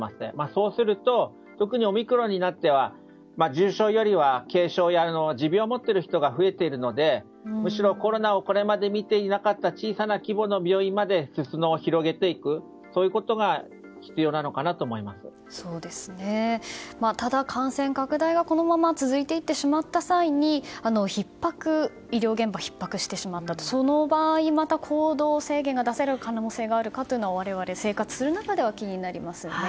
そうすると特にオミクロンになってからは重症よりは軽症の持病を持っている人が増えているのでむしろコロナをこれまで診ていなかった小さな規模の病院まで裾野を広げていくことがただ、感染拡大はこのまま続いて行ってしまった際に医療現場がひっ迫してしまったとその場合、また行動制限が出される可能性があるかは我々、生活する中では気になりますよね。